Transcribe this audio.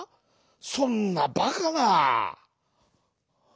そんなバカな」。